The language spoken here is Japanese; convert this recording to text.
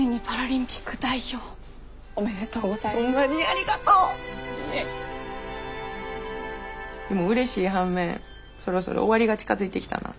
でもうれしい反面そろそろ終わりが近づいてきたなあ。